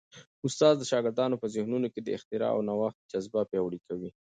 استاد د شاګردانو په ذهنونو کي د اختراع او نوښت جذبه پیاوړې کوي.